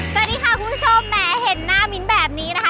สวัสดีค่ะคุณผู้ชมแหมเห็นหน้ามิ้นแบบนี้นะคะ